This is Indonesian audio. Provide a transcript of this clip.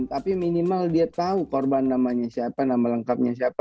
tapi minimal dia tahu korban namanya siapa nama lengkapnya siapa